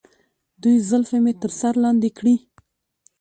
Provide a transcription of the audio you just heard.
دوی زلفې مې تر سر لاندې کړي.